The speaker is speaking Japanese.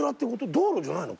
道路じゃないの？